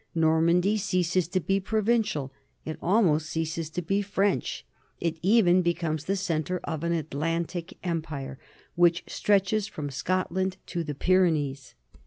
Normandy ceases to be provin cial, it almost ceases to be French ; it even becomes ths centre of an Atlantic empire which stretches from Scot land to the Pyrenees.